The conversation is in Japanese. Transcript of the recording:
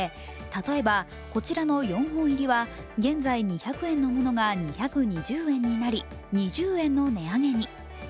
例えばこちらの４本入りは現在２００円のものが２２０円になり、２０円の値上げに。